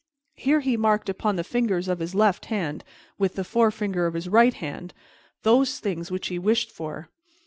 Here he marked upon the fingers of his left hand with the forefinger of his right hand those things which he wished for.